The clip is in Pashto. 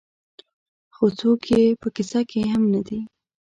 خو څوک یې په کيسه کې هم نه دي.